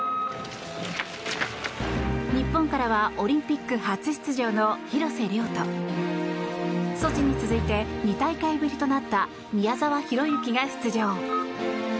日本からはオリンピック初出場の廣瀬崚とソチに続いて２大会ぶりとなった宮沢大志が出場。